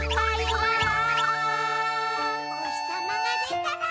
「おひさまがでたら」